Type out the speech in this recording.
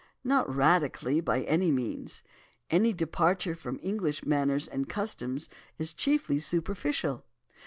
"Not radically, by any means. Any departure from English manners and customs is chiefly superficial.